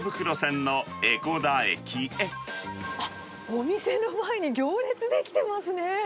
あっ、お店の前に行列出来てますね。